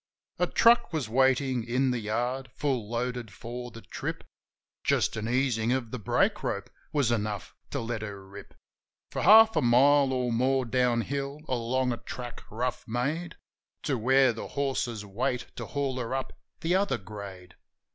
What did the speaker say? A truck was waitin' in the yard, full loaded for the trip. Just an easin' of the brake rope was enough to let her rip For half a mile or more down hill along a track, rough made. To where the horses wait to haul her up the other grade.